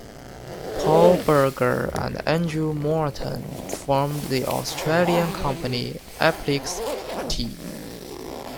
Paul Berger and Andrew Morton formed the Australian company Applix Pty.